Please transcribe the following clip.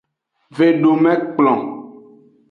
Vedomekplon.